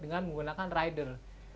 dengan menggunakan rider